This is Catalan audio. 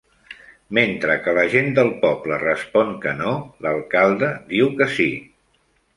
Mentre que la gent del poble respon que no, l'alcalde diu que sí.